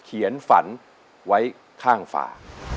เขียนฝันไว้ข้างฝา